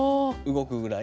動くぐらい。